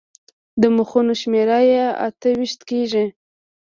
د مخونو شمېره یې اته ویشت کېږي.